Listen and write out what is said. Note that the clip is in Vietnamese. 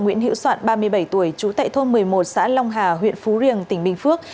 nguyễn hữu soạn ba mươi bảy tuổi trú tại thôn một mươi một xã long hà huyện phú riềng tỉnh bình phước